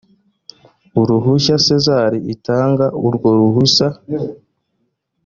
uruhushya sezar itanga urwo ruhusa